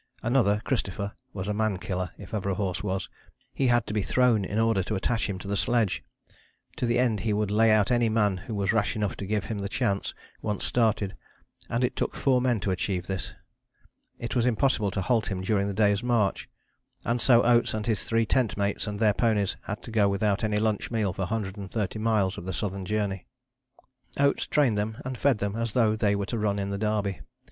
Another, Christopher, was a man killer if ever a horse was; he had to be thrown in order to attach him to the sledge; to the end he would lay out any man who was rash enough to give him the chance; once started, and it took four men to achieve this, it was impossible to halt him during the day's march, and so Oates and his three tent mates and their ponies had to go without any lunch meal for 130 miles of the Southern Journey. Oates trained them and fed them as though they were to run in the Derby.